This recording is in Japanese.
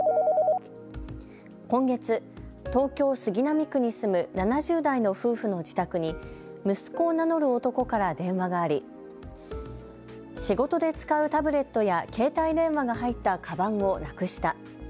今月、東京・杉並区に住む７０代の夫婦の自宅に息子を名乗る男から電話があり仕事で使うタブレットや携帯電話が入ったかばんをなくした。